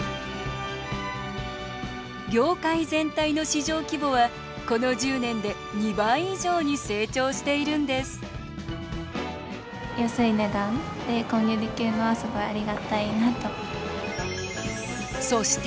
業界全体の市場規模はこの１０年で２倍以上に成長しているんですそして